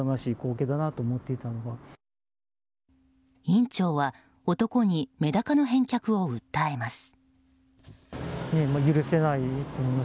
院長は男にメダカの返却を訴えます。